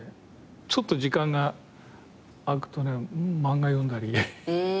ちょっと時間があくと漫画読んだり。